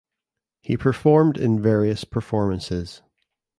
He performed in various performances.